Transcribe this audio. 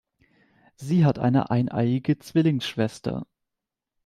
Sie hat eine eineiige Zwillingsschwester.